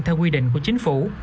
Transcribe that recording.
theo quy định của chính phủ